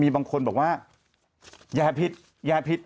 บางคนบอกว่าแย่ผิดแย่ผิด